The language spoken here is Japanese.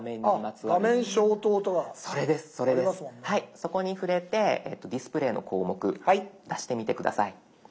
そこに触れて「ディスプレイ」の項目出してみて下さい。